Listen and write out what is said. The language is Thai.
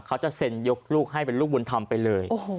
เขาจะเซ็นยกลูกให้เป็นลูกบุญธรรมไปเลย